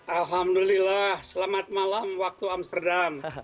alhamdulillah selamat malam waktu amsterdam